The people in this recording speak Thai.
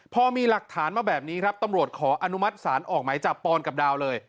พอมีหลักฐานมาแบบนี้ครับตำรวจขออนุมัติศาลออกหมายจับปอนกับดาวเลย